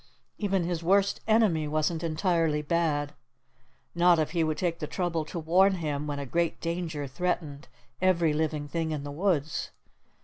Even his worst enemy wasn't entirely bad, not if he would take the trouble to warn him when a great danger threatened every living thing in the woods.